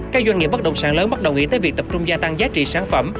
các doanh nghiệp bất động sản lớn bắt đồng ý tới việc tập trung gia tăng giá trị sản phẩm